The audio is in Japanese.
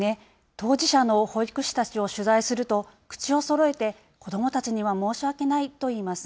当事者の保育士たちを取材すると、口をそろえて、子どもたちには申し訳ないといいます。